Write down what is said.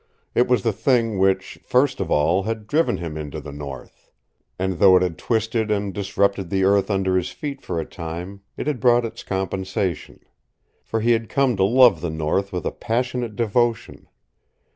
It was the thing which, first of all, had driven him into the north. And though it had twisted and disrupted the earth under his feet for a time, it had brought its compensation. For he had come to love the north with a passionate devotion.